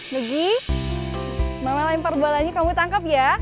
maggie mama lempar bolanya kamu tangkap ya